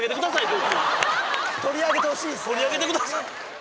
こいつ取り上げてほしいっすね取り上げてください